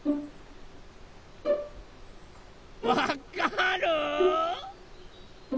・わかる？